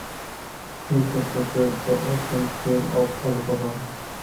He supported the open sale of alcohol.